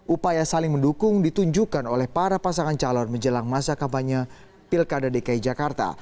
upaya saling mendukung ditunjukkan oleh para pasangan calon menjelang masa kampanye pilkada dki jakarta